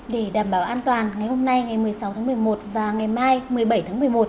để đảm bảo an toàn ngày hôm nay ngày một mươi sáu tháng một mươi một và ngày mai một mươi bảy tháng một mươi một